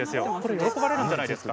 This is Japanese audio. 喜ばれるんじゃないですか。